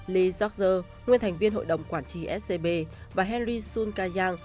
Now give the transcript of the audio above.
lee seok seo nguyên thành viên hội đồng quản trị scb và henry soon ka yang